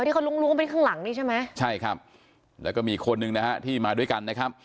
ที่เขาล้วงไปข้างหลังนี่ใช่ไหมใช่ครับแล้วก็มีคนหนึ่งนะฮะที่มาด้วยกันนะครับ